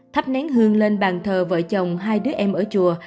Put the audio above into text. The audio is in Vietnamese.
thắp nén hương lên bàn thờ vợ chồng hai đứa em ở chùa